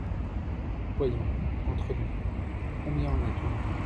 Voyons, entre nous, combien en as-tu eu ?